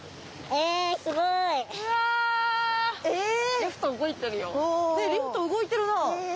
リフト動いてるなあ。